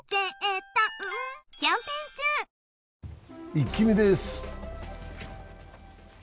「イッキ見」です。